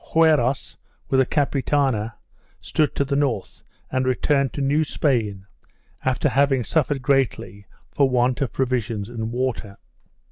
Quiros, with the Capitana, stood to the north, and returned to New Spain, after having suffered greatly for want of provisions and water.